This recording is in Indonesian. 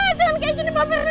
jangan kayak gini mbak mirna